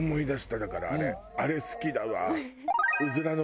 だからあれあれ好きだわ。